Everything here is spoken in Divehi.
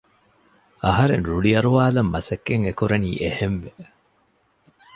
އަހަރެން ރުޅި އަރުވާލަން މަސައްކަތް އެކުރަނީ އެހެންވެ